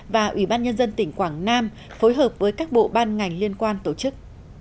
và ủy ban nhân dân tỉnh quảng nam phối hợp với các bộ ban ngành liên quan tổ chức